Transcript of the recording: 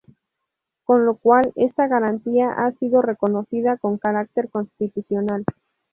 Con lo cual esta garantía ha sido reconocida con carácter constitucional.